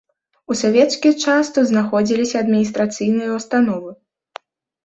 У савецкі час тут знаходзіліся адміністрацыйныя ўстановы.